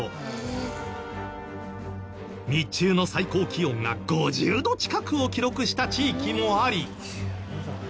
日中の最高気温が５０度近くを記録した地域もあり。